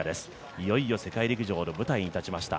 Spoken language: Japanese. いよいよ世界陸上の舞台に立ちました。